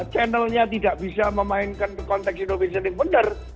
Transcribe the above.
kalau channelnya tidak bisa memainkan konteks indonesia ini benar